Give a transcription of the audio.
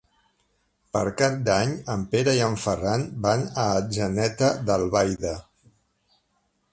Per Cap d'Any en Pere i en Ferran van a Atzeneta d'Albaida.